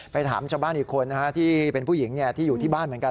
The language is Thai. ถามชาวบ้านอีกคนที่เป็นผู้หญิงที่อยู่ที่บ้านเหมือนกัน